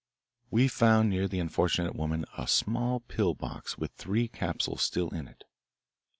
We found near the unfortunate woman a small pill box with three capsules still in it.